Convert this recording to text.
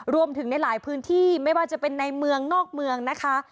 รวมถึงในหลายพื้นที่ไม่ว่าจะเป็นในเมืองนอกเมืองนะคะ